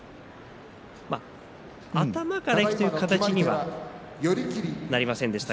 頭からいくという形にはなりませんでした。